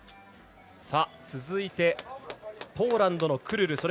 続いて、ポーランドのクルル。